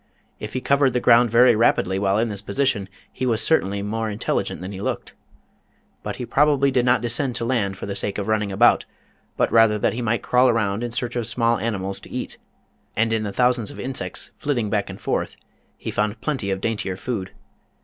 If he covered the ground very rapidly while in this position, he was certainly more intelligent than he looked. But he probably did not descend to land for the sake of running MIGHTY ANIMALS 6 82 MIGHTY ANIMALS about, but rather that he might crawl around in search of small animals to eat, and in the thou sands of insects flitting back and forth he found plenty of daintier food.